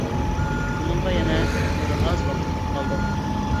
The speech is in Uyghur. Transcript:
بۇنىڭغا يەنە بىر ئاز ۋاقىت كېتىپ قالىدۇ.